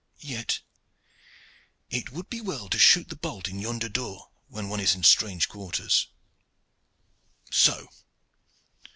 Yet it would be well to shoot the bolt in yonder door when one is in strange quarters. So!"